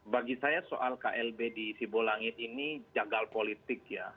bagi saya soal klb di sibolangit ini jagal politik ya